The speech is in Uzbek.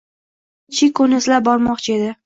— Bormoqchi edi, Chikoni izlab bormoqchi edi.